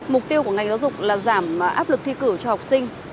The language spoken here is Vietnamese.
mục tiêu của ngành giáo dục là giảm áp lực thi cử cho học sinh